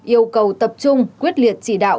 yêu cầu tập trung quyết liệt chỉ đạo